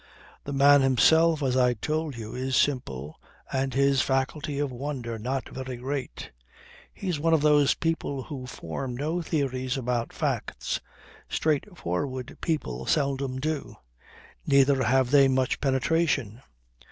The man himself, as I told you, is simple, and his faculty of wonder not very great. He's one of those people who form no theories about facts. Straightforward people seldom do. Neither have they much penetration.